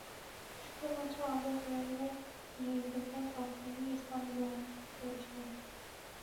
শুধুমাত্র আবু হুরাইরাই নির্দ্বিধায় তখনই ইসলাম ধর্ম গ্রহণ করেছিল।